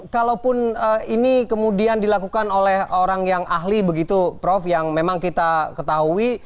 kalaupun ini kemudian dilakukan oleh orang yang ahli begitu prof yang memang kita ketahui